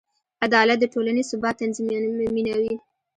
عدالت د ټولنې ثبات تضمینوي.